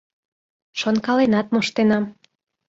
Шонкаленат моштенам.